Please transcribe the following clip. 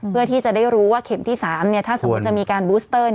เพื่อที่จะได้รู้ว่าเข็มที่๓ถ้าสมมุติจะมีการบูสเตอร์